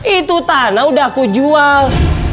itu tanah udah aku jual